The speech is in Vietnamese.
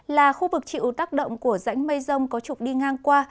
là khu vực chịu tác động của rãnh mây rông có trục đi ngang qua